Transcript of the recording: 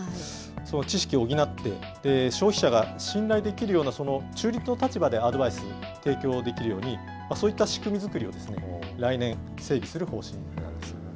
その知識を補って、消費者が信頼できるような中立の立場でアドバイス、提供できるように、そういった仕組み作りを来年整備する方針があるんです。